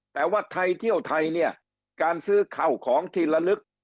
แต่ว่าไทยเที่ยวไทยการซื้อเข่าของทีละลึก